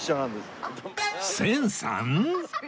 千さん！？